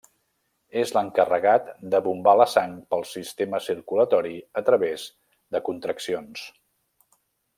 És l'encarregat de bombar la sang pel sistema circulatori a través de contraccions.